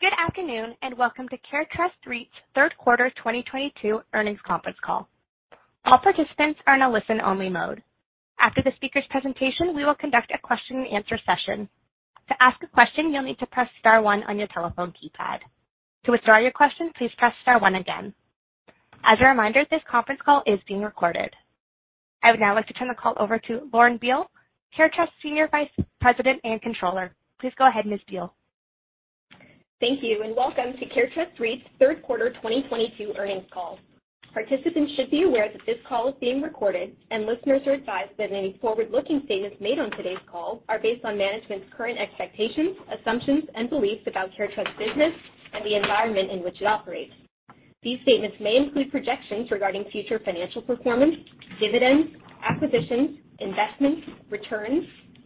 Good afternoon, and welcome to CareTrust REIT's third quarter 2022 earnings conference call. All participants are in a listen-only mode. After the speaker's presentation, we will conduct a question-and-answer session. To ask a question, you'll need to press star one on your telephone keypad. To withdraw your question, please press star one again. As a reminder, this conference call is being recorded. I would now like to turn the call over to Lauren Beale, CareTrust Senior Vice President and Controller. Please go ahead, Ms. Beale. Thank you, and welcome to CareTrust REIT's third quarter 2022 earnings call. Participants should be aware that this call is being recorded, and listeners are advised that any forward-looking statements made on today's call are based on management's current expectations, assumptions, and beliefs about CareTrust's business and the environment in which it operates. These statements may include projections regarding future financial performance, dividends, acquisitions, investments, returns,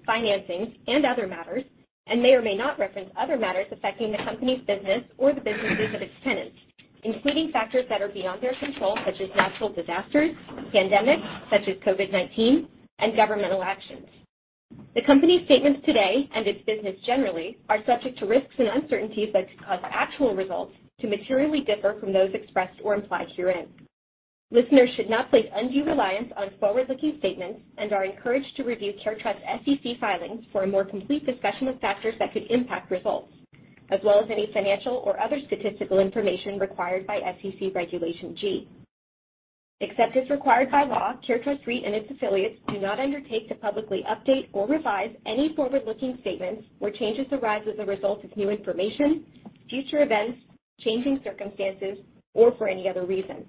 financings, and other matters, and may or may not reference other matters affecting the company's business or the businesses of its tenants, including factors that are beyond their control, such as natural disasters, pandemics such as COVID-19, and governmental actions. The company's statements today and its business generally are subject to risks and uncertainties that could cause actual results to materially differ from those expressed or implied herein. Listeners should not place undue reliance on forward-looking statements and are encouraged to review CareTrust's SEC filings for a more complete discussion of factors that could impact results, as well as any financial or other statistical information required by SEC Regulation G. Except as required by law, CareTrust REIT and its affiliates do not undertake to publicly update or revise any forward-looking statements where changes arise as a result of new information, future events, changing circumstances, or for any other reason.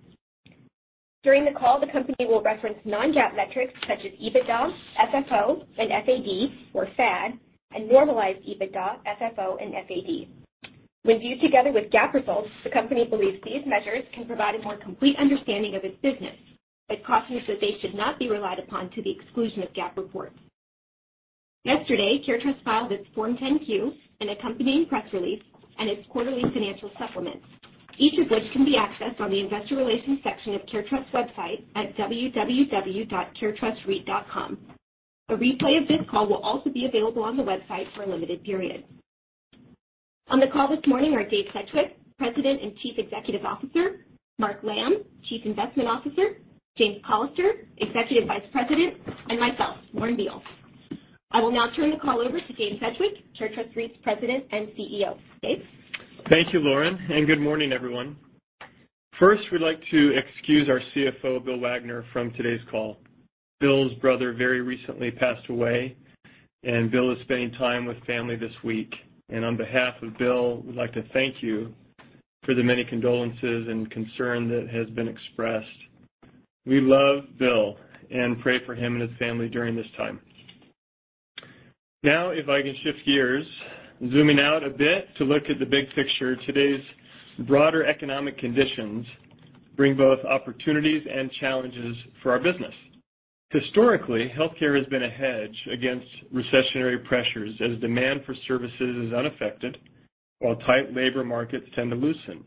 During the call, the company will reference non-GAAP metrics such as EBITDA, FFO, and FAD or FAD, and normalized EBITDA, FFO, and FAD. When viewed together with GAAP results, the company believes these measures can provide a more complete understanding of its business but cautions that they should not be relied upon to the exclusion of GAAP reports. Yesterday, CareTrust filed its Form 10-Q and accompanying press release and its quarterly financial supplements, each of which can be accessed on the investor relations section of CareTrust's website at www.caretrustreit.com. A replay of this call will also be available on the website for a limited period. On the call this morning are Dave Sedgwick, President and Chief Executive Officer, Mark Lamb, Chief Investment Officer, James Callister, Executive Vice President, and myself, Lauren Beale. I will now turn the call over to Dave Sedgwick, CareTrust REIT's President and CEO. Dave? Thank you, Lauren, and good morning, everyone. First, we'd like to excuse our CFO, Bill Wagner, from today's call. Bill's brother very recently passed away, and Bill is spending time with family this week. On behalf of Bill, we'd like to thank you for the many condolences and concern that has been expressed. We love Bill and pray for him and his family during this time. Now, if I can shift gears, zooming out a bit to look at the big picture, today's broader economic conditions bring both opportunities and challenges for our business. Historically, healthcare has been a hedge against recessionary pressures as demand for services is unaffected while tight labor markets tend to loosen.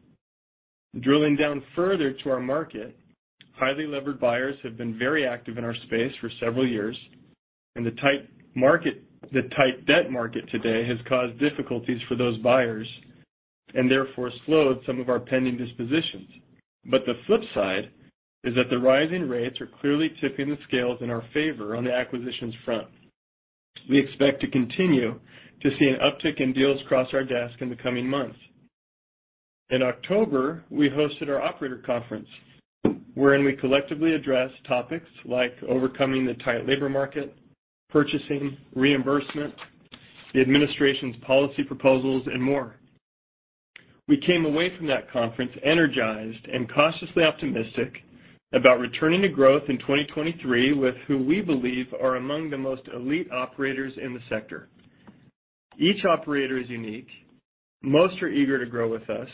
Drilling down further to our market, highly levered buyers have been very active in our space for several years, and the tight debt market today has caused difficulties for those buyers and therefore slowed some of our pending dispositions. The flip side is that the rising rates are clearly tipping the scales in our favor on the acquisitions front. We expect to continue to see an uptick in deals across our desk in the coming months. In October, we hosted our operator conference, wherein we collectively addressed topics like overcoming the tight labor market, purchasing, reimbursement, the administration's policy proposals, and more. We came away from that conference energized and cautiously optimistic about returning to growth in 2023 with who we believe are among the most elite operators in the sector. Each operator is unique. Most are eager to grow with us,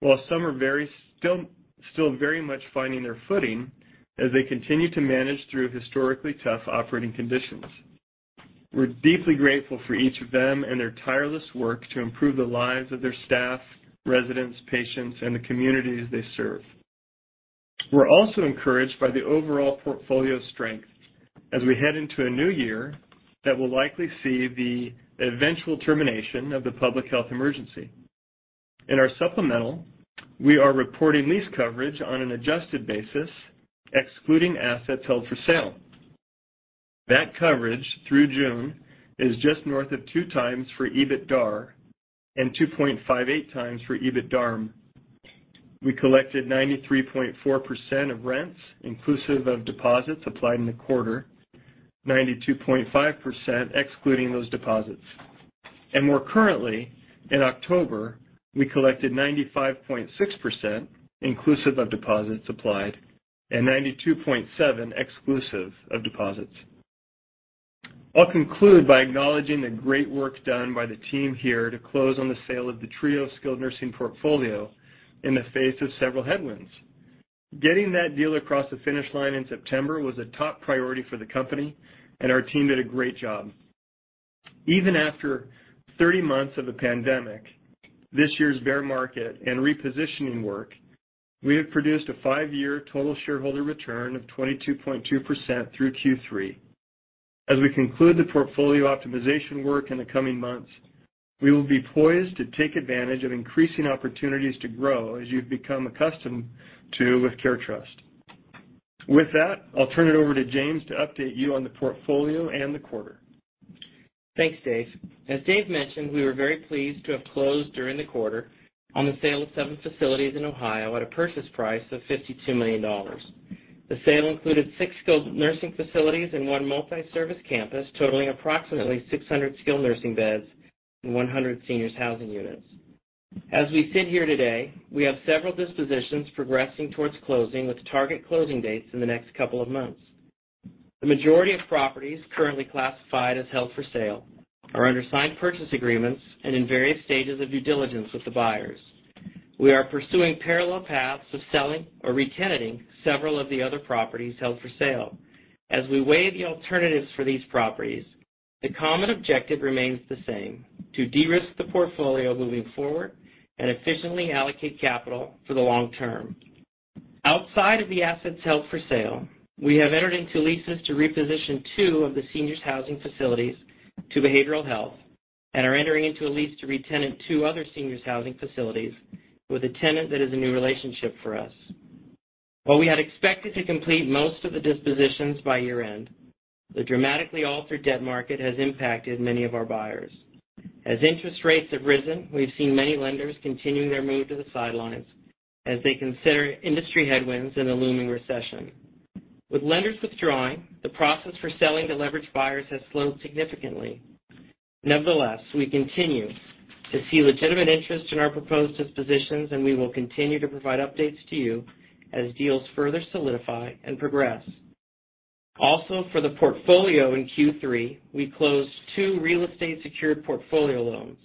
while some are still very much finding their footing as they continue to manage through historically tough operating conditions. We're deeply grateful for each of them and their tireless work to improve the lives of their staff, residents, patients, and the communities they serve. We're also encouraged by the overall portfolio strength as we head into a new year that will likely see the eventual termination of the public health emergency. In our supplemental, we are reporting lease coverage on an adjusted basis, excluding assets held for sale. That coverage through June is just north of 2x for EBITDAR and 2.58x for EBITDARM. We collected 93.4% of rents inclusive of deposits applied in the quarter, 92.5% excluding those deposits. More currently, in October, we collected 95.6% inclusive of deposits applied and 92.7% exclusive of deposits. I'll conclude by acknowledging the great work done by the team here to close on the sale of the skilled nursing portfolio in the face of several headwinds. Getting that deal across the finish line in September was a top priority for the company, and our team did a great job. Even after 30 months of the pandemic, this year's bear market, and repositioning work, we have produced a five-year total shareholder return of 22.2% through Q3. As we conclude the portfolio optimization work in the coming months, we will be poised to take advantage of increasing opportunities to grow as you've become accustomed to with CareTrust. With that, I'll turn it over to James to update you on the portfolio and the quarter. Thanks, Dave. As Dave mentioned, we were very pleased to have closed during the quarter on the sale of seven facilities in Ohio at a purchase price of $52 million. Skilled nursing facilities and one multi-service campus, totaling approximately skilled nursing beds and seniors housing units. As we sit here today, we have several dispositions progressing towards closing with target closing dates in the next couple of months. The majority of properties currently classified as held for sale are under signed purchase agreements and in various stages of due diligence with the buyers. We are pursuing parallel paths of selling or re-tenanting several of the other properties held for sale. As we weigh the alternatives for these properties, the common objective remains the same, to de-risk the portfolio moving forward and efficiently allocate capital for the long term. Outside of the assets held for sale, we have entered into leases to reposition two of seniors housing facilities to behavioral health and are entering into a lease to re-tenant two seniors housing facilities with a tenant that is a new relationship for us. While we had expected to complete most of the dispositions by year-end, the dramatically altered debt market has impacted many of our buyers. As interest rates have risen, we've seen many lenders continue their move to the sidelines as they consider industry headwinds and a looming recession. With lenders withdrawing, the process for selling to leveraged buyers has slowed significantly. Nevertheless, we continue to see legitimate interest in our proposed dispositions, and we will continue to provide updates to you as deals further solidify and progress. Also, for the portfolio in Q3, we closed two real estate secured portfolio loans.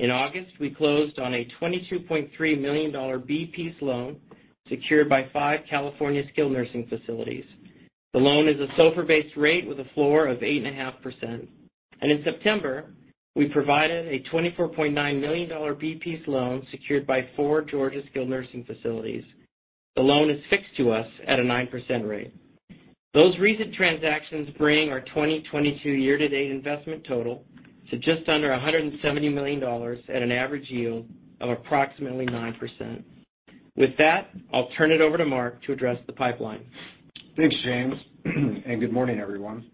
In August, we closed on a $22.3 million B-piece loan secured by five California skilled nursing facilities. the loan is a SOFR-based rate with a floor of 8.5%. In September, we provided a $24.9 million B-piece loan secured by four Georgian skilled nursing facilities. the loan is fixed to us at a 9% rate. Those recent transactions bring our 2022 year-to-date investment total to just under $170 million at an average yield of approximately 9%. With that, I'll turn it over to Mark to address the pipeline. Thanks, James. Good morning, everyone.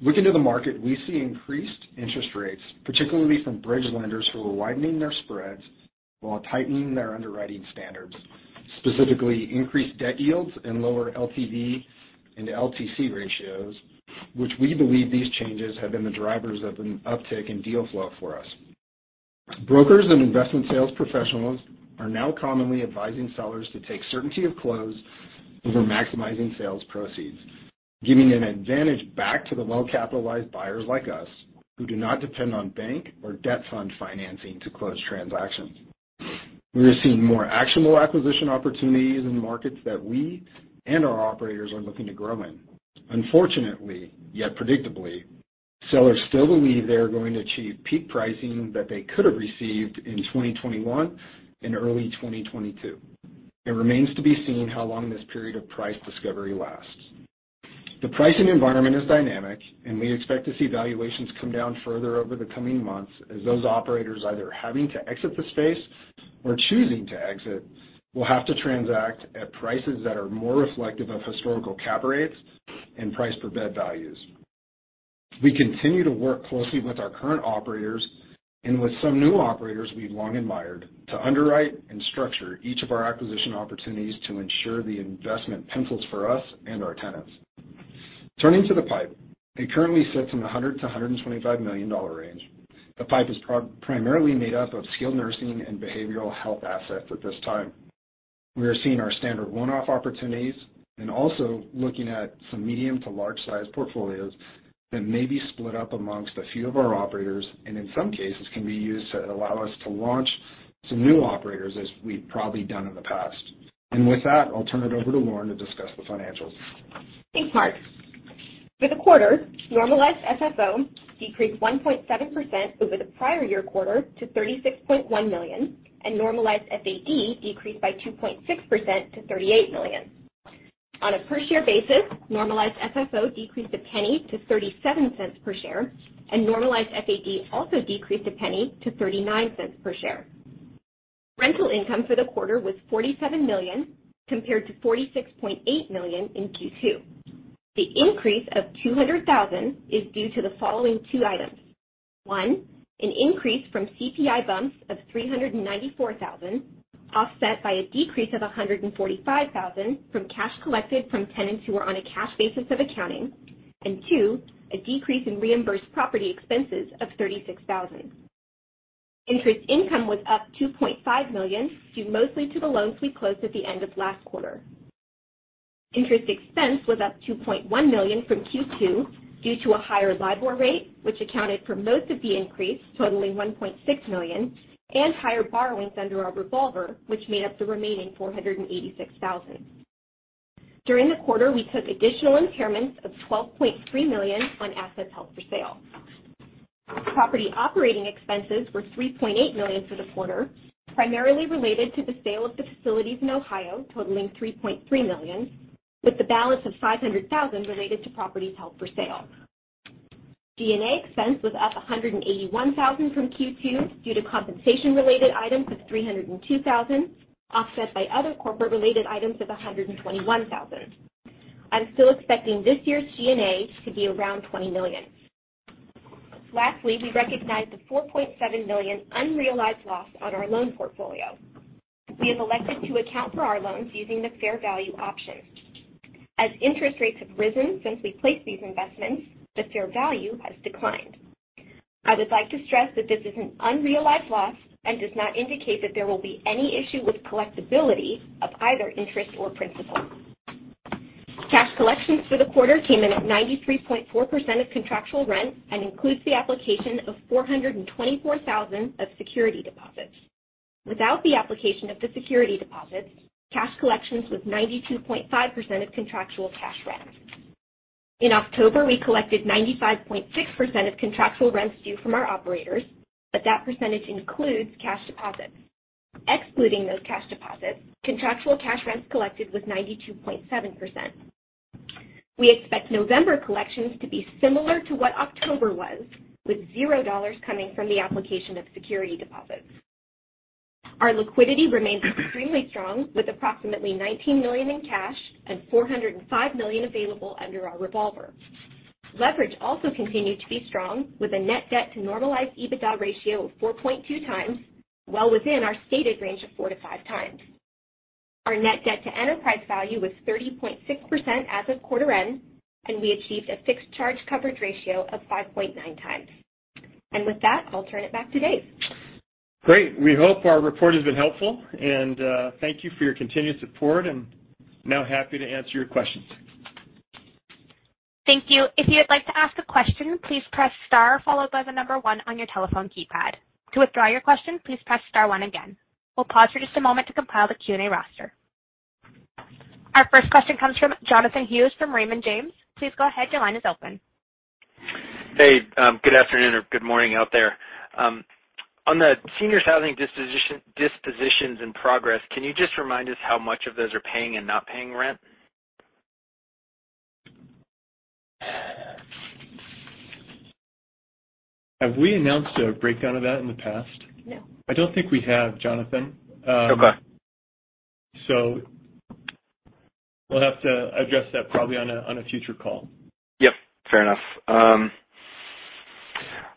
Looking to the market, we see increased interest rates, particularly from bridge lenders who are widening their spreads while tightening their underwriting standards, specifically increased debt yields and lower LTV and LTC ratios, which we believe these changes have been the drivers of an uptick in deal flow for us. Brokers and investment sales professionals are now commonly advising sellers to take certainty of close over maximizing sales proceeds, giving an advantage back to the well-capitalized buyers like us who do not depend on bank or debt fund financing to close transactions. We are seeing more actionable acquisition opportunities in markets that we and our operators are looking to grow in. Unfortunately, yet predictably, sellers still believe they are going to achieve peak pricing that they could have received in 2021 and early 2022. It remains to be seen how long this period of price discovery lasts. The pricing environment is dynamic, and we expect to see valuations come down further over the coming months as those operators either having to exit the space or choosing to exit will have to transact at prices that are more reflective of historical cap rates and price per bed values. We continue to work closely with our current operators and with some new operators we've long admired to underwrite and structure each of our acquisition opportunities to ensure the investment pencils for us and our tenants. Turning to the pipe, it currently sits in the $100 million-$125 million range. The pipe is primarily made up skilled nursing and behavioral health assets at this time. We are seeing our standard one-off opportunities and also looking at some medium to large-sized portfolios that may be split up among a few of our operators, and in some cases, can be used to allow us to launch some new operators as we've probably done in the past. With that, I'll turn it over to Lauren to discuss the financials. Thanks, Mark. For the quarter, Normalized FFO decreased 1.7% over the prior year quarter to $36.1 million, and Normalized FAD decreased by 2.6% to $38 million. On a per-share basis, Normalized FFO decreased a penny to $0.37 per share, and Normalized FAD also decreased a penny to $0.39 per share. Rental income for the quarter was $47 million, compared to $46.8 million in Q2. The increase of $200,000 is due to the following two items. One, an increase from CPI bumps of $394,000, offset by a decrease of $145,000 from cash collected from tenants who are on a cash basis of accounting. Two, a decrease in reimbursed property expenses of $36,000. Interest income was up $2.5 million, due mostly to the loans we closed at the end of last quarter. Interest expense was up $2.1 million from Q2 due to a higher LIBOR rate, which accounted for most of the increase, totaling $1.6 million, and higher borrowings under our revolver, which made up the remaining $486,000. During the quarter, we took additional impairments of $12.3 million on assets held for sale. Property operating expenses were $3.8 million for the quarter, primarily related to the sale of the facilities in Ohio, totaling $3.3 million, with the balance of $500,000 related to properties held for sale. G&A expense was up $181,000 from Q2 due to compensation related items of $302,000, offset by other corporate related items of $121,000. I'm still expecting this year's G&A to be around $20 million. Lastly, we recognized the $4.7 million unrealized loss on our loan portfolio. We have elected to account for our loans using the fair value option. As interest rates have risen since we placed these investments, the fair value has declined. I would like to stress that this is an unrealized loss and does not indicate that there will be any issue with collectibility of either interest or principal. Cash collections for the quarter came in at 93.4% of contractual rent and includes the application of $424,000 of security deposits. Without the application of the security deposits, cash collections was 92.5% of contractual cash rent. In October, we collected 95.6% of contractual rents due from our operators, but that percentage includes cash deposits. Excluding those cash deposits, contractual cash rents collected was 92.7%. We expect November collections to be similar to what October was, with $0 coming from the application of security deposits. Our liquidity remains extremely strong with approximately $19 million in cash and $405 million available under our revolver. Leverage also continued to be strong with a net debt to Normalized EBITDA ratio of 4.2x, well within our stated range of 4x-5x. Our net debt to enterprise value was 30.6% as of quarter end, and we achieved a fixed charge coverage ratio of 5.9x. With that, I'll turn it back to Dave. Great. We hope our report has been helpful, and thank you for your continued support and now happy to answer your questions. Thank you. If you'd like to ask a question, please press star followed by the number one on your telephone keypad. To withdraw your question, please press star one again. We'll pause for just a moment to compile the Q&A roster. Our first question comes from Jonathan Hughes from Raymond James. Please go ahead. Your line is open. Hey, good afternoon or good morning out there. On seniors housing dispositions and progress, can you just remind us how much of those are paying and not paying rent? Have we announced a breakdown of that in the past? I don't think we have, Jonathan. Okay. We'll have to address that probably on a future call. Yep. Fair enough.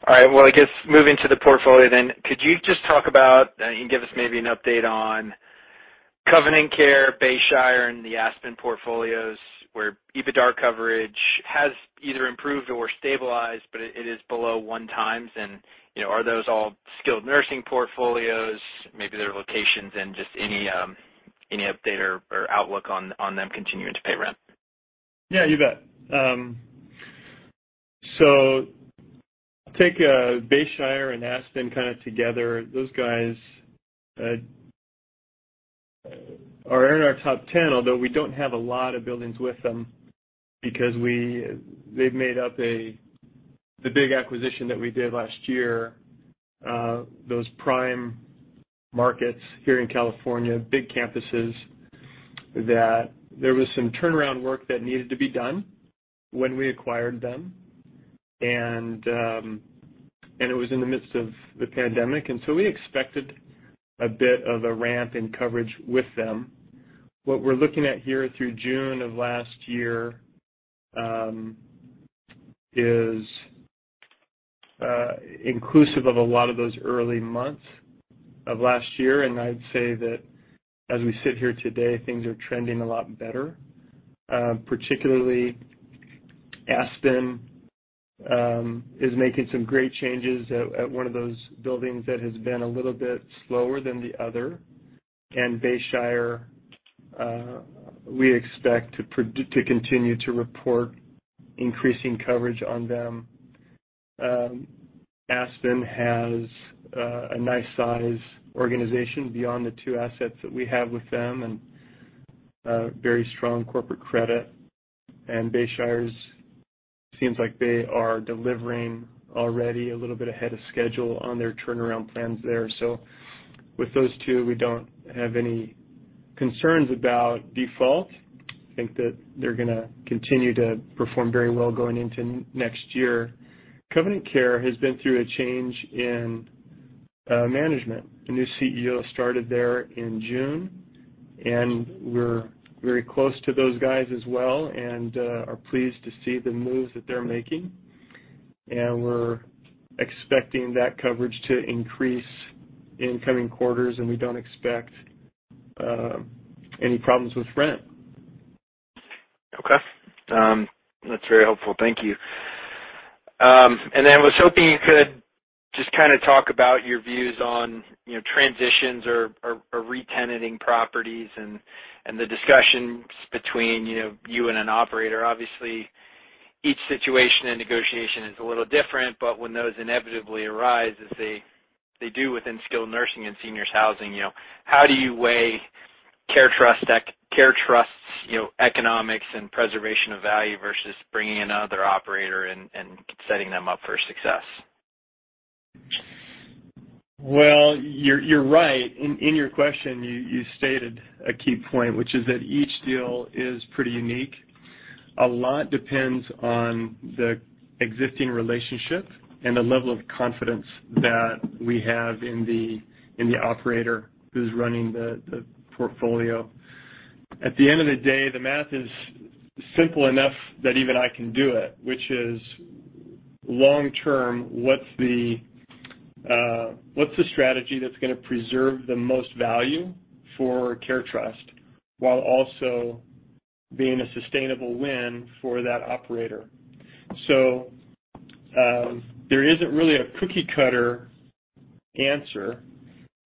All right, well, I guess moving to the portfolio then. Could you just talk about and give us maybe an update on Covenant Care, Bayshire, and the Aspen portfolios, where EBITDA coverage has either improved or stabilized, but it is below one times. You know, are those skilled nursing portfolios, maybe their locations and just any update or outlook on them continuing to pay rent? Yeah, you bet. I'll take Bayshire and Aspen kind of together. Those guys are in our top ten, although we don't have a lot of buildings with them because they've made up the big acquisition that we did last year, those prime markets here in California, big campuses, that there was some turnaround work that needed to be done when we acquired them. It was in the midst of the pandemic, and so we expected a bit of a ramp in coverage with them. What we're looking at here through June of last year is inclusive of a lot of those early months of last year. I'd say that as we sit here today, things are trending a lot better. Particularly Aspen is making some great changes at one of those buildings that has been a little bit slower than the other. Bayshire, we expect to continue to report increasing coverage on them. Aspen has a nice size organization beyond the two assets that we have with them and very strong corporate credit. Bayshire seems like they are delivering already a little bit ahead of schedule on their turnaround plans there. With those two, we don't have any concerns about default. I think that they're gonna continue to perform very well going into next year. Covenant Care has been through a change in management. A new CEO started there in June, and we're very close to those guys as well and are pleased to see the moves that they're making. We're expecting that coverage to increase in coming quarters, and we don't expect any problems with rent. Okay. That's very helpful. Thank you. Then I was hoping you could just kind of talk about your views on, you know, transitions or re-tenanting properties and the discussions between, you know, you and an operator. Obviously, each situation and negotiation is a little different, but when those inevitably arise as they do skilled nursing seniors housing, you know, how do you weigh CareTrust's, you know, economics and preservation of value versus bringing another operator and setting them up for success. Well, you're right. In your question, you stated a key point, which is that each deal is pretty unique. A lot depends on the existing relationship and the level of confidence that we have in the operator who's running the portfolio. At the end of the day, the math is simple enough that even I can do it, which is long term, what's the strategy that's gonna preserve the most value for CareTrust while also being a sustainable win for that operator? There isn't really a cookie-cutter answer.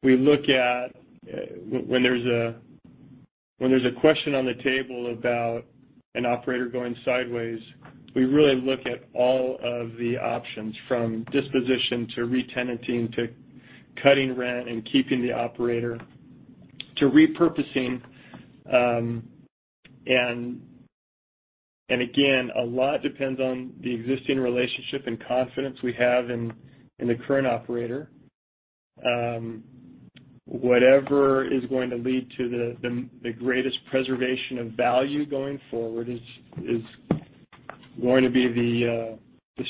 We look at when there's a question on the table about an operator going sideways, we really look at all of the options from disposition to re-tenanting to cutting rent and keeping the operator to repurposing. Again, a lot depends on the existing relationship and confidence we have in the current operator. Whatever is going to lead to the greatest preservation of value going forward is going to be the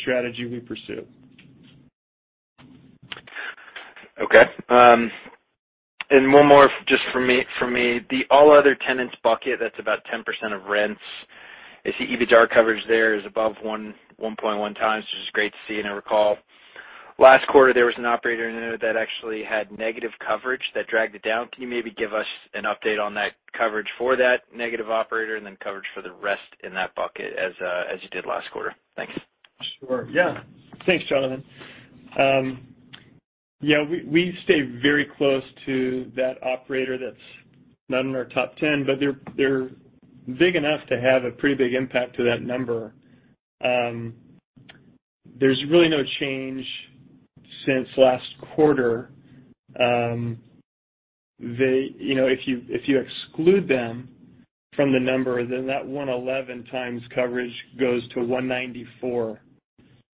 strategy we pursue. Okay. One more just for me. The all other tenants bucket, that's about 10% of rents. I see EBITDAR coverage there is above 1.1x, which is great to see and I recall. Last quarter, there was an operator in there that actually had negative coverage that dragged it down. Can you maybe give us an update on that coverage for that negative operator and then coverage for the rest in that bucket as you did last quarter? Thanks. Sure. Yeah. Thanks, Jonathan. Yeah, we stay very close to that operator that's not in our top ten, but they're big enough to have a pretty big impact to that number. There's really no change since last quarter. You know, if you exclude them from the number, then that 1.11x coverage goes to 1.94x,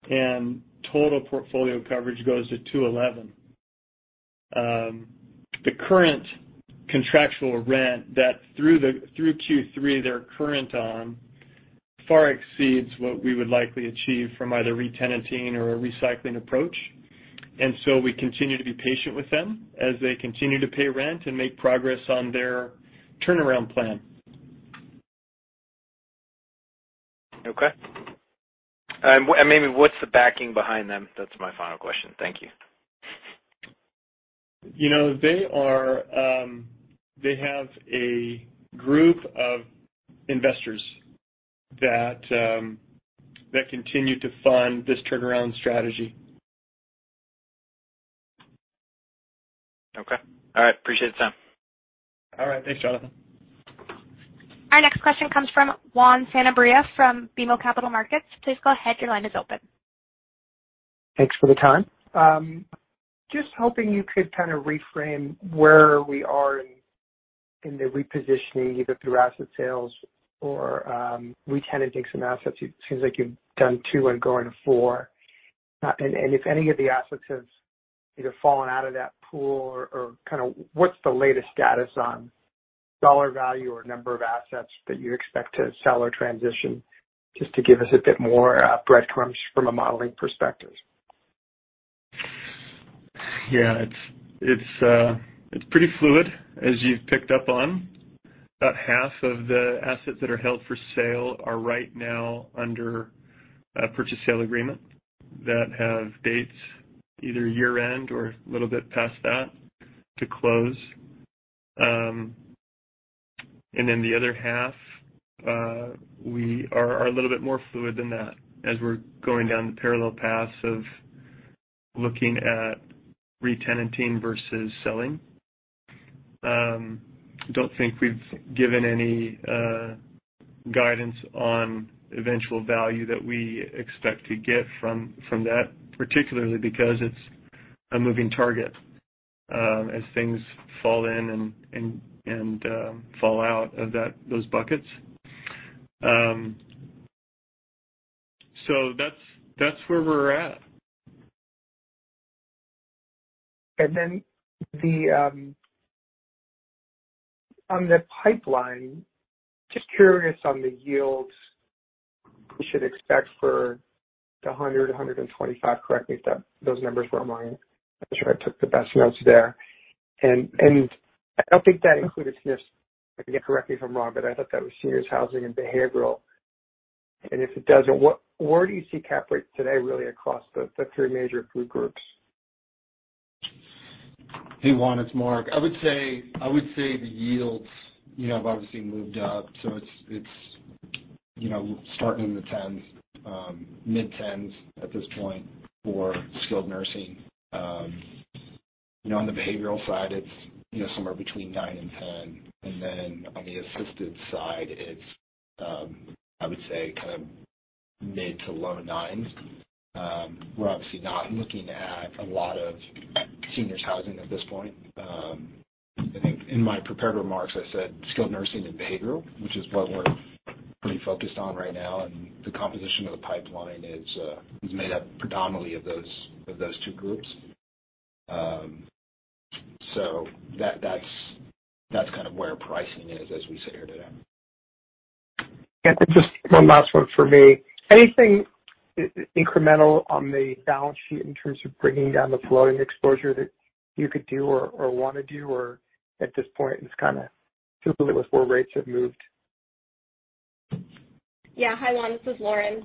and total portfolio coverage goes to 2.11x. The current contractual rent that through Q3 they're current on far exceeds what we would likely achieve from either re-tenanting or a recycling approach. We continue to be patient with them as they continue to pay rent and make progress on their turnaround plan. Okay. Maybe what's the backing behind them? That's my final question. Thank you. You know, they have a group of investors that continue to fund this turnaround strategy. Okay. All right. Appreciate the time. All right. Thanks, Jonathan. Our next question comes from Juan Sanabria from BMO Capital Markets. Please go ahead, your line is open. Thanks for the time. Just hoping you could kind of reframe where we are in the repositioning, either through asset sales or re-tenanting some assets. It seems like you've done 2 and going 4. If any of the assets have either fallen out of that pool or kind of what's the latest status on dollar value or number of assets that you expect to sell or transition, just to give us a bit more breadcrumbs from a modeling perspective. Yeah, it's pretty fluid, as you've picked up on. About half of the assets that are held for sale are right now under a purchase and sale agreement that have dates either year-end or a little bit past that to close. The other half, we are a little bit more fluid than that as we're going down the parallel paths of looking at re-tenanting versus selling. Don't think we've given any guidance on eventual value that we expect to get from that, particularly because it's a moving target, as things fall in and fall out of those buckets. That's where we're at. On the pipeline, just curious on the yields we should expect for the 125. Correct me if those numbers were mine. I'm sure I took the best notes there. I don't think that included seniors. Again, correct me if I'm wrong, but I thought that seniors housing and behavioral. If it doesn't, where do you see cap rate today really across the three major groups? Hey, Juan, it's Mark. I would say the yields, you know, have obviously moved up, so it's you know, starting in the 10s, mid-10s at this point skilled nursing. you know, on the behavioral side, it's you know, somewhere between 9% and 10%. Then on the assisted side, it's I would say kind of Mid to low-nines. We're obviously not looking at a lot seniors housing at this point. I think in my prepared remarks, I skilled nursing and behavioral, which is what we're pretty focused on right now. The composition of the pipeline is made up predominantly of those two groups. That's kind of where pricing is as we sit here today. Just one last one for me. Anything incremental on the balance sheet in terms of bringing down the floating exposure that you could do or wanna do, or at this point, it's kinda too little before rates have moved? Yeah. Hi, Juan, this is Lauren.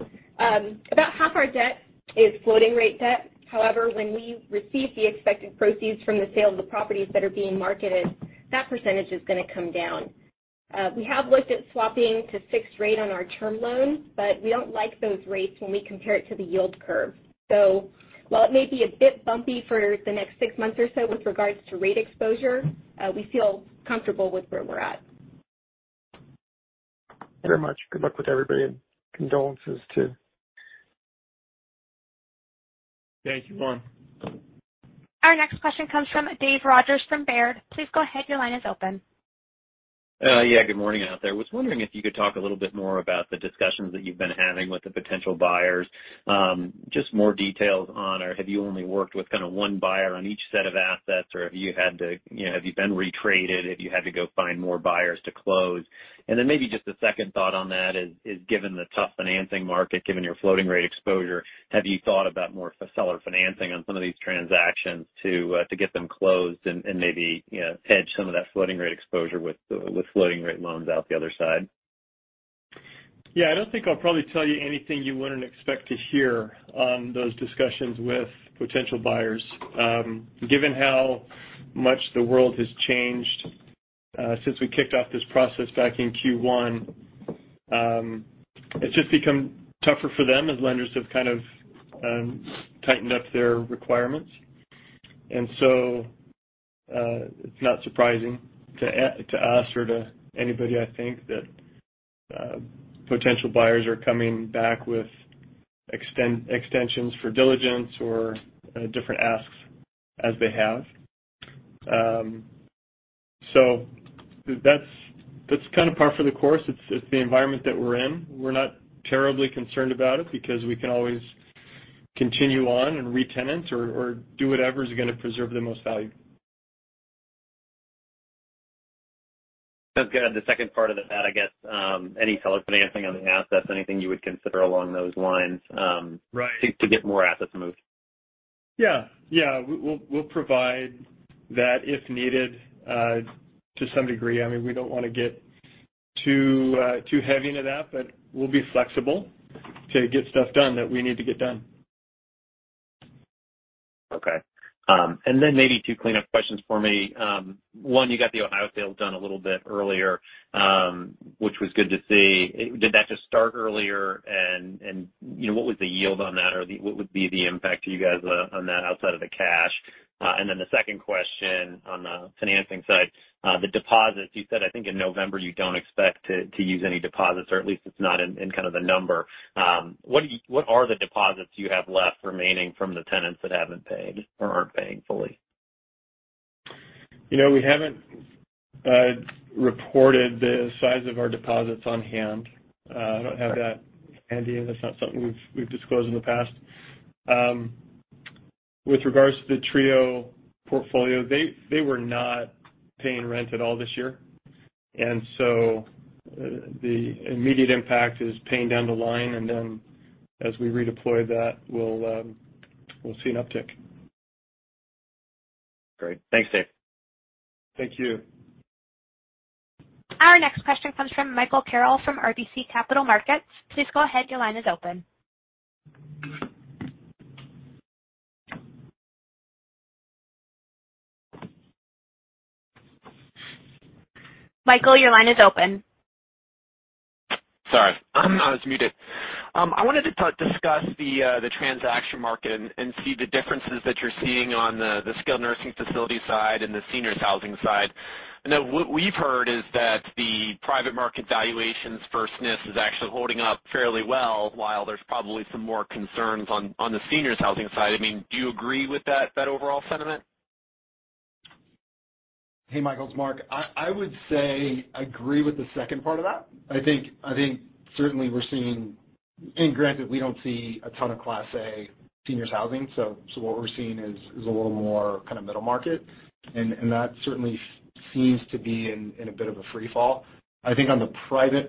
About half our debt is floating rate debt. However, when we receive the expected proceeds from the sale of the properties that are being marketed, that percentage is gonna come down. We have looked at swapping to fixed rate on our term loan, but we don't like those rates when we compare it to the yield curve. While it may be a bit bumpy for the next six months or so with regards to rate exposure, we feel comfortable with where we're at. Very much. Good luck with everybody and condolences too. Thank you, Juan. Our next question comes from Dave Rodgers from Baird. Please go ahead. Your line is open. Yeah, good morning out there. Was wondering if you could talk a little bit more about the discussions that you've been having with the potential buyers. Just more details on, or have you only worked with kinda one buyer on each set of assets, or have you had to, you know, have you been retraded if you had to go find more buyers to close? Then maybe just a second thought on that is, given the tough financing market, given your floating rate exposure, have you thought about more seller financing on some of these transactions to get them closed and maybe, you know, hedge some of that floating rate exposure with the floating rate loans out the other side? Yeah. I don't think I'll probably tell you anything you wouldn't expect to hear on those discussions with potential buyers. Given how much the world has changed, since we kicked off this process back in Q1, it's just become tougher for them as lenders have kind of tightened up their requirements. It's not surprising to us or to anybody, I think, that potential buyers are coming back with extensions for diligence or different asks as they have. That's kind of par for the course. It's the environment that we're in. We're not terribly concerned about it because we can always continue on and retenant or do whatever is gonna preserve the most value. That's good. The second part of that, I guess, any seller financing on the assets, anything you would consider along those lines? Right. to get more assets moved? Yeah. We'll provide that if needed, to some degree. I mean, we don't wanna get too heavy into that, but we'll be flexible to get stuff done that we need to get done. Okay. Maybe two cleanup questions for me. One, you got the Ohio sale done a little bit earlier, which was good to see. Did that just start earlier and you know, what was the yield on that or what would be the impact to you guys on that outside of the cash? The second question on the financing side, the deposits, you said, I think in November you don't expect to use any deposits or at least it's not in kind of the number. What are the deposits you have left remaining from the tenants that haven't paid or aren't paying fully? You know, we haven't reported the size of our deposits on hand. I don't have that handy, and that's not something we've disclosed in the past. With regards to the Trio portfolio, they were not paying rent at all this year, and so the immediate impact is paying down the loan, and then as we redeploy that, we'll see an uptick. Great. Thanks, Dave. Thank you. Our next question comes from Michael Carroll from RBC Capital Markets. Please go ahead. Your line is open. Michael, your line is open. Sorry, I was muted. I wanted to discuss the transaction market and see the differences that you're seeing on skilled nursing facility side and seniors housing side. Now, what we've heard is that the private market valuations for SNFs is actually holding up fairly well, while there's probably some more concerns on seniors housing side. I mean, do you agree with that overall sentiment? Hey, Michael, it's Mark. I would say agree with the second part of that. I think certainly we're seeing. Granted, we don't see a ton of Class A seniors housing. so what we're seeing is a little more kind of middle market, and that certainly seems to be in a bit of a free fall. I think on the private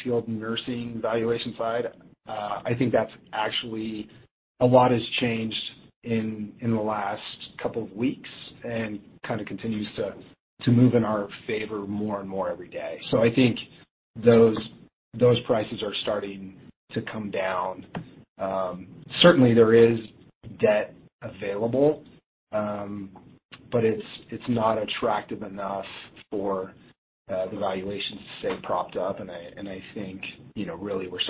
skilled nursing valuation side, I think that's actually a lot has changed in the last couple of weeks and kind of continues to move in our favor more and more every day. So I think those prices are starting to come down. Certainly there is debt available, but it's not attractive enough for the valuations to stay propped up. I think, you know, really we're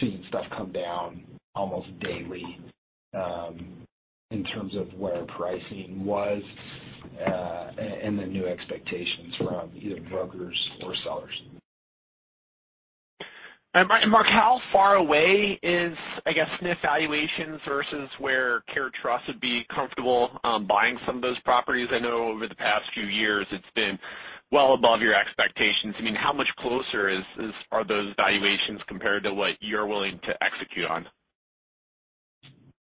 seeing stuff come down almost daily in terms of where pricing was and the new expectations from either brokers or sellers. Mark, how far away is, I guess, a valuation versus where CareTrust would be comfortable on buying some of those properties? I know over the past few years it's been well above your expectations. I mean, how much closer are those valuations compared to what you're willing to execute on?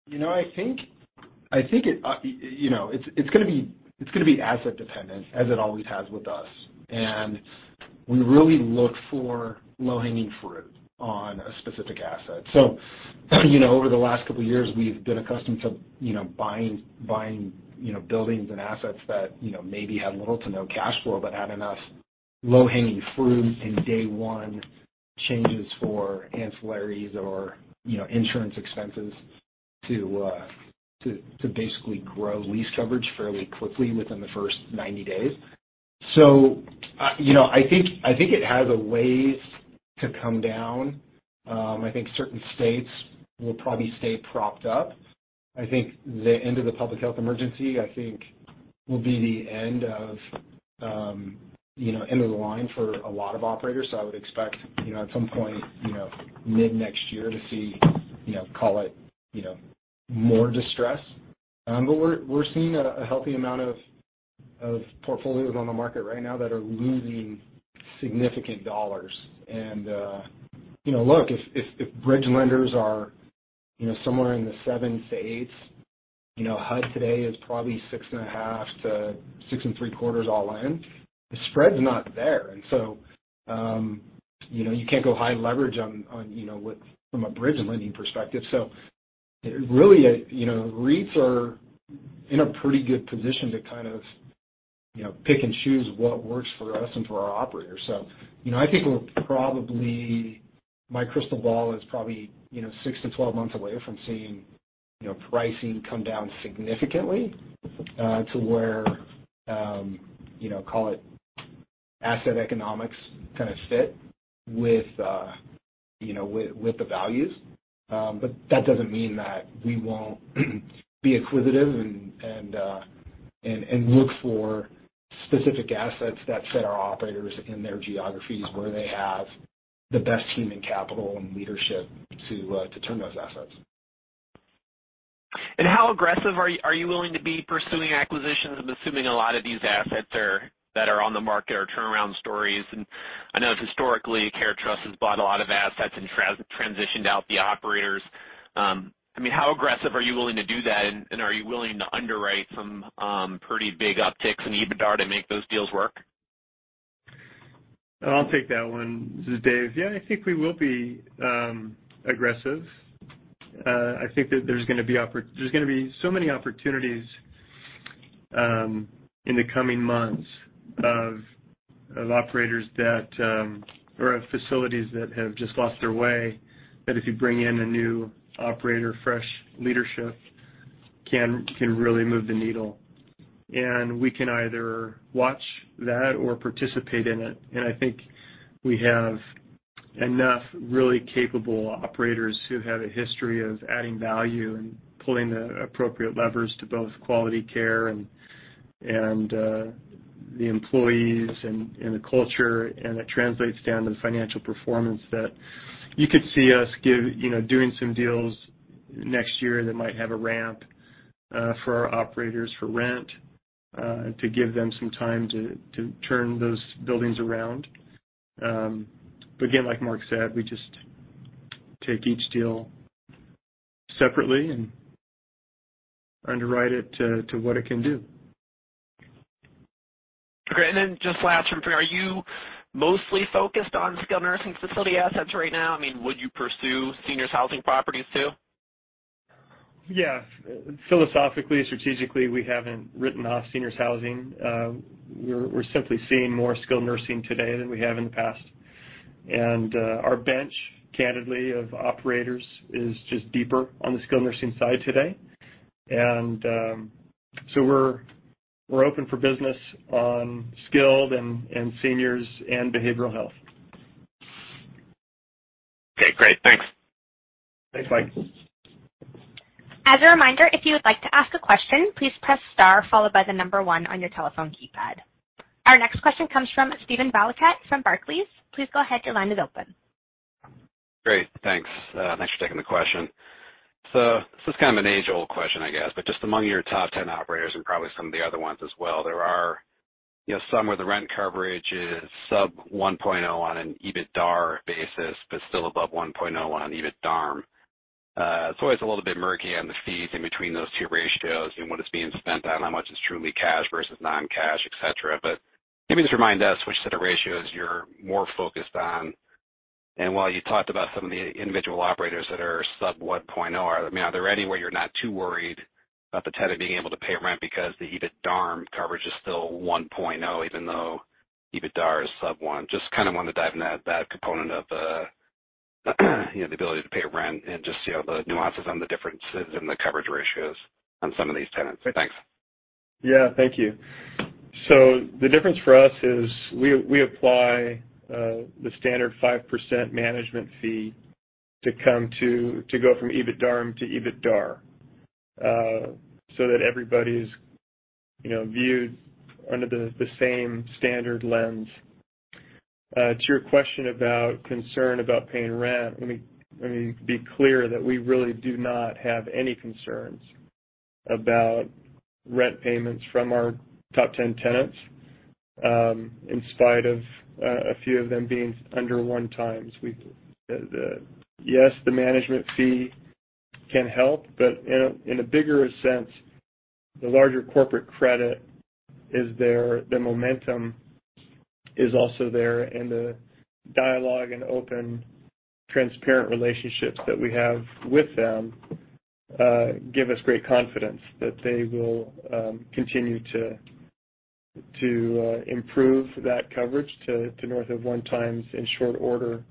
You know, I think it, you know, it's gonna be asset dependent as it always has with us. We really look for low-hanging fruit on a specific asset. You know, over the last couple years, we've been accustomed to, you know, buying, you know, buildings and assets that, you know, maybe have little to no cash flow, but had enough low-hanging fruit in day one changes for ancillaries or, you know, insurance expenses to basically grow lease coverage fairly quickly within the first 90 days. You know, I think it has a ways to come down. I think certain states will probably stay propped up. I think the end of the public health emergency will be the end of the line for a lot of operators. I would expect at some point mid-next year to see call it more distress. But we're seeing a healthy amount of portfolios on the market right now that are losing significant dollars. Look, if bridge lenders are somewhere in the 7%-8%, HUD today is probably 6.5%-6.75% all in, the spread's not there. You can't go high leverage from a bridge lending perspective. Really, you know, REITs are in a pretty good position to kind of, you know, pick and choose what works for us and for our operators. You know, I think my crystal ball is probably, you know, six to 12 months away from seeing, you know, pricing come down significantly to where, you know, call it asset economics kind of fit with, you know, with the values. That doesn't mean that we won't be acquisitive and look for specific assets that fit our operators in their geographies where they have the best human capital and leadership to turn those assets. How aggressive are you willing to be pursuing acquisitions? I'm assuming a lot of these assets that are on the market are turnaround stories. I know historically, CareTrust has bought a lot of assets and transitioned out the operators. I mean, how aggressive are you willing to do that, and are you willing to underwrite some pretty big upticks in EBITDA to make those deals work? I'll take that one. This is Dave. Yeah, I think we will be aggressive. I think that there's gonna be so many opportunities in the coming months of operators that or of facilities that have just lost their way, that if you bring in a new operator, fresh leadership can really move the needle. We can either watch that or participate in it. I think we have enough really capable operators who have a history of adding value and pulling the appropriate levers to both quality care and the employees and the culture, and it translates down to the financial performance that you could see us give, you know, doing some deals next year that might have a ramp for our operators for rent to give them some time to turn those buildings around. Again, like Mark said, we just take each deal separately and underwrite it to what it can do. Okay. Just last one for you, are you mostly focused skilled nursing facility assets right now? I mean, would you pursue seniors housing properties too? Yeah. Philosophically, strategically, we haven't written seniors housing. we're simply seeing skilled nursing today than we have in the past. Our bench, candidly, of operators is just deeper on skilled nursing side today. We're open for business on skilled and seniors and behavioral health. Okay, great. Thanks. Thanks, Mike. As a reminder, if you would like to ask a question, please press star followed by the number one on your telephone keypad. Our next question comes from Steven Valiquette from Barclays. Please go ahead, your line is open. Great, thanks. Thanks for taking the question. This is kind of an age-old question, I guess, but just among your top 10 operators and probably some of the other ones as well, there are, you know, some where the rent coverage is sub 1.0x on an EBITDAR basis, but still above 1.0x on an EBITDARM. It's always a little bit murky on the fees in between those two ratios and what is being spent on how much is truly cash versus non-cash, et cetera. Maybe just remind us which set of ratios you're more focused on. While you talked about some of the individual operators that are sub 1.0x, I mean, are there any where you're not too worried about the tenant being able to pay rent because the EBITDARM coverage is still 1.0x even though EBITDAR is sub 1x? Just kind of wanted to dive in that component of, you know, the ability to pay rent and just, you know, the nuances on the differences in the coverage ratios on some of these tenants. Thanks. Yeah, thank you. The difference for us is we apply the standard 5% management fee to go from EBITDARM to EBITDAR, so that everybody's viewed under the same standard lens. To your question about concern about paying rent, let me be clear that we really do not have any concerns about rent payments from our top 10 tenants, in spite of a few of them being under 1x. Yes, the management fee can help, but in a bigger sense, the larger corporate credit is there, the momentum is also there, and the dialogue and open, transparent relationships that we have with them give us great confidence that they will continue to improve that coverage to north of 1x in short order.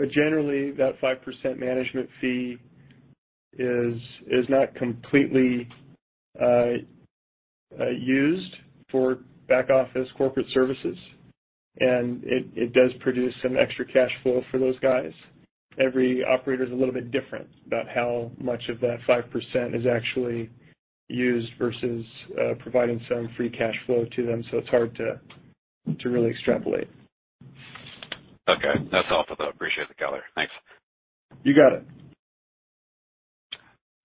Generally, that 5% management fee is not completely used for back office corporate services, and it does produce some extra cash flow for those guys. Every operator is a little bit different about how much of that 5% is actually used versus providing some free cash flow to them, so it's hard to really extrapolate. Okay. That's all for now. Appreciate the color. Thanks. You got it.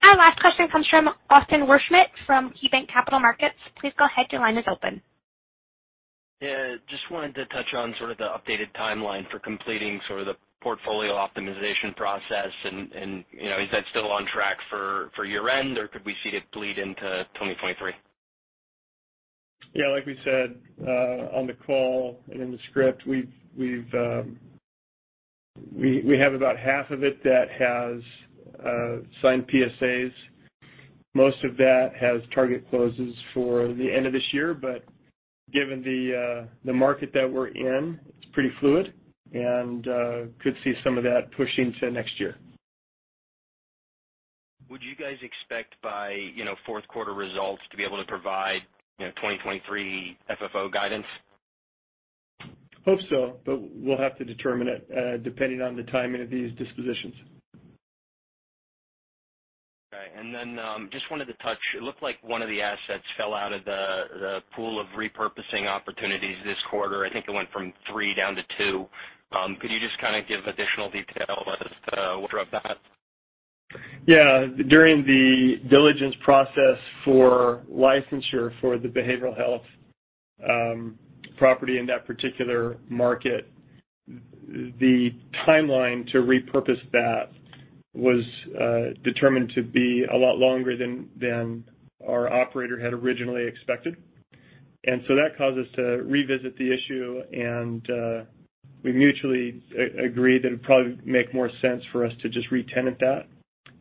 Our last question comes from Austin Wurschmidt from KeyBanc Capital Markets. Please go ahead, your line is open. Yeah. Just wanted to touch on sort of the updated timeline for completing sort of the portfolio optimization process and, you know, is that still on track for year-end or could we see it bleed into 2023? Yeah. Like we said on the call and in the script, we have about half of it that has signed PSAs. Most of that has target closes for the end of this year, but given the market that we're in, it's pretty fluid and could see some of that pushing to next year. Would you guys expect by, you know, fourth quarter results to be able to provide, you know, 2023 FFO guidance? Hope so, but we'll have to determine it, depending on the timing of these dispositions. Okay. Just wanted to touch. It looked like one of the assets fell out of the pool of repurposing opportunities this quarter. I think it went from three down to two. Could you just kind of give additional detail as to what drove that? Yeah. During the diligence process for licensure for the behavioral health property in that particular market, the timeline to repurpose that was determined to be a lot longer than our operator had originally expected. That caused us to revisit the issue, and we mutually agreed that it would probably make more sense for us to just retenant that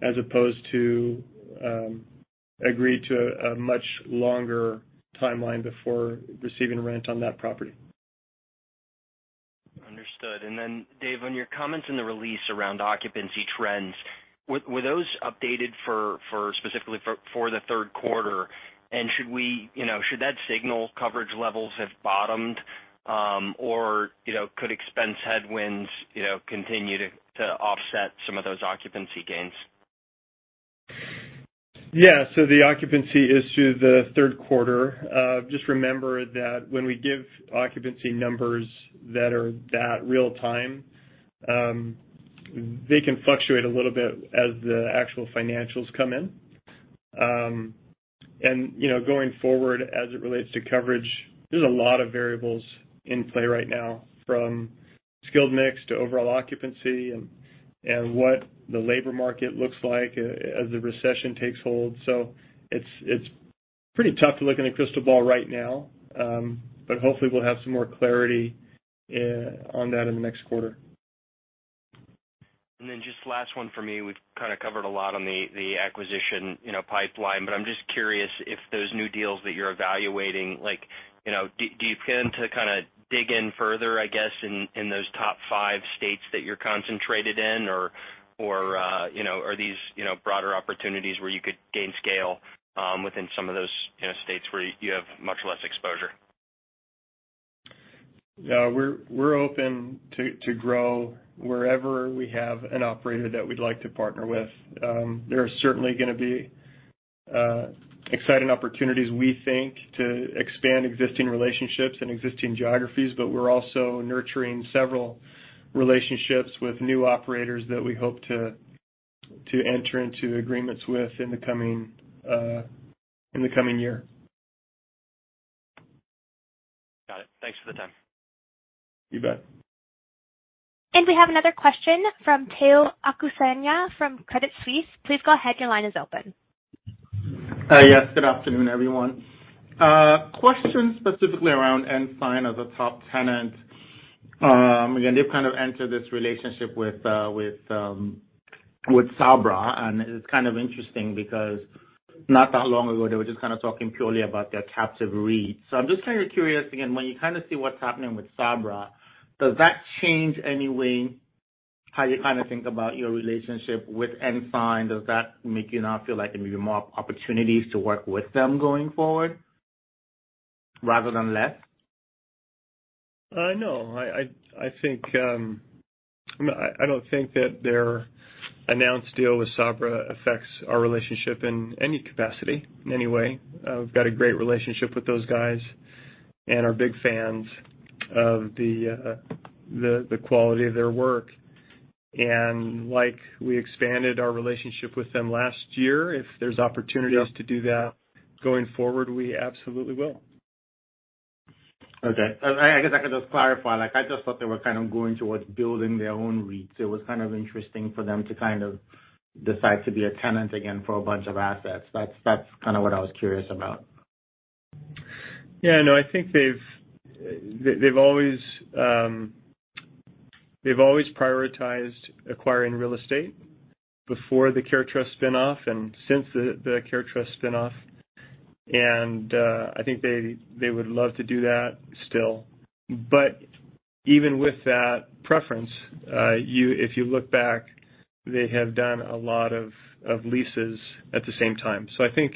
as opposed to agree to a much longer timeline before receiving rent on that property. Understood. Dave, on your comments in the release around occupancy trends, were those updated specifically for the third quarter? Should that signal coverage levels have bottomed, or you know, could expense headwinds you know, continue to offset some of those occupancy gains? Yeah. The occupancy is through the third quarter. Just remember that when we give occupancy numbers that are that real time, they can fluctuate a little bit as the actual financials come in. You know, going forward, as it relates to coverage, there's a lot of variables in play right now from skilled mix to overall occupancy and what the labor market looks like as the recession takes hold. It's pretty tough to look in a crystal ball right now. Hopefully we'll have some more clarity on that in the next quarter. Just last one for me. We've kind of covered a lot on the acquisition, you know, pipeline, but I'm just curious if those new deals that you're evaluating, like, you know, do you plan to kinda dig in further, I guess, in those top five states that you're concentrated in? Or you know, are these, you know, broader opportunities where you could gain scale, within some of those, you know, states where you have much less exposure? Yeah. We're open to grow wherever we have an operator that we'd like to partner with. There are certainly gonna be exciting opportunities, we think, to expand existing relationships and existing geographies, but we're also nurturing several relationships with new operators that we hope to enter into agreements with in the coming year. Got it. Thanks for the time. You bet. We have another question from Tayo Okusanya from Credit Suisse. Please go ahead, your line is open. Hi. Yes, good afternoon, everyone. Question specifically around Ensign as a top tenant. Again, they've kind of entered this relationship with Sabra, and it is kind of interesting because not that long ago, they were just kind of talking purely about their captive REIT. I'm just kind of curious, again, when you kind of see what's happening with Sabra, does that change how you kind of think about your relationship with Ensign? Does that make you now feel like there may be more opportunities to work with them going forward rather than less? No. I don't think that their announced deal with Sabra affects our relationship in any capacity, in any way. I've got a great relationship with those guys and are big fans of the quality of their work. Like we expanded our relationship with them last year, if there's opportunities to do that going forward, we absolutely will. Okay. I guess I could just clarify, like I just thought they were kind of going towards building their own REIT, so it was kind of interesting for them to kind of decide to be a tenant again for a bunch of assets. That's kinda what I was curious about. Yeah, no, I think they've always prioritized acquiring real estate before the CareTrust spin off and since the CareTrust spin off. I think they would love to do that still. Even with that preference, if you look back, they have done a lot of leases at the same time. I think,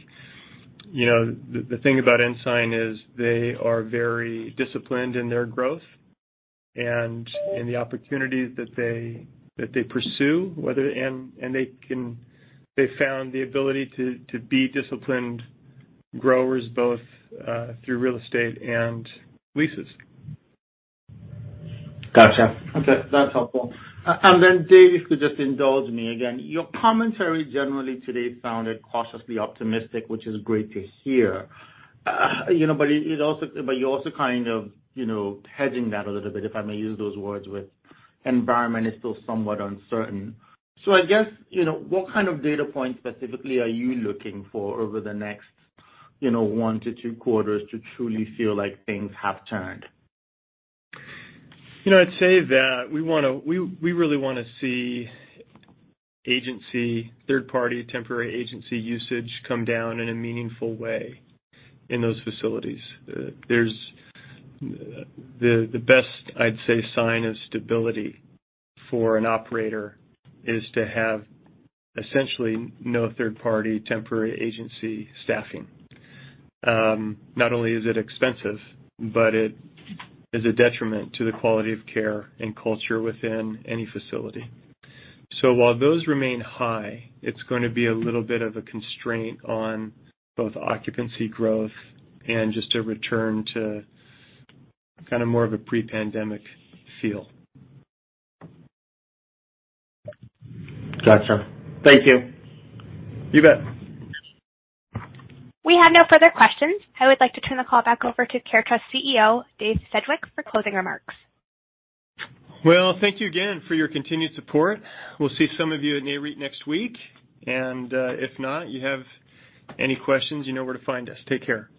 you know, the thing about Ensign is they are very disciplined in their growth and in the opportunities that they pursue. They found the ability to be disciplined growers both through real estate and leases. Gotcha. Okay, that's helpful. Dave, if you could just indulge me again. Your commentary generally today sounded cautiously optimistic, which is great to hear. You know, but you're also kind of, you know, hedging that a little bit, if I may use those words, with environment is still somewhat uncertain. I guess, you know, what kind of data points specifically are you looking for over the next, you know, one to two quarters to truly feel like things have turned? You know, I'd say that we really wanna see agency, third party temporary agency usage come down in a meaningful way in those facilities. There's the best I'd say sign of stability for an operator is to have essentially no third party temporary agency staffing. Not only is it expensive, but it is a detriment to the quality of care and culture within any facility. While those remain high, it's gonna be a little bit of a constraint on both occupancy growth and just a return to kinda more of a pre-pandemic feel. Gotcha. Thank you. You bet. We have no further questions. I would like to turn the call back over to CareTrust CEO, Dave Sedgwick, for closing remarks. Well, thank you again for your continued support. We'll see some of you at NAREIT next week. If not, you have any questions, you know where to find us. Take care.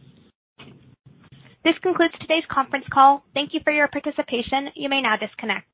This concludes today's conference call. Thank you for your participation. You may now disconnect.